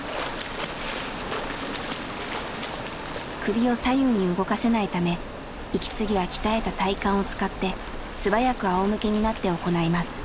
首を左右に動かせないため息継ぎは鍛えた体幹を使って素早くあおむけになって行います。